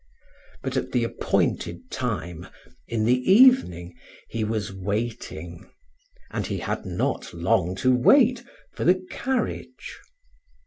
But at the appointed time, in the evening, he was waiting and he had not long to wait for the carriage.